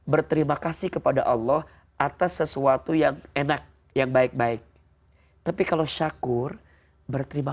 berterima kasih kepada allah atas sesuatu yang enak yang baik baik tapi kalau syakur berterima